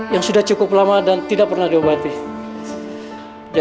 yaudah sekarang kamu ikut sama nenek ya